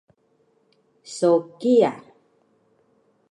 So kiya